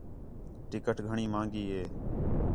ٹکٹ گھݨیں مہنڳی ہے